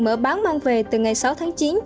mở bán mang về từ ngày sáu tháng chín